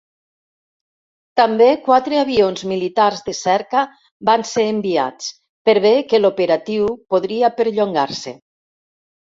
També quatre avions militars de cerca van ser enviats, per bé que l'operatiu podria perllongar-se.